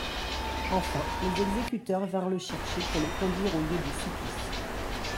Enfin, les exécuteurs vinrent le chercher pour le conduire au lieu du supplice.